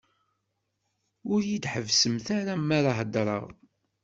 Ur yi-d-ḥebbsemt ara mi ara d-heddṛeɣ.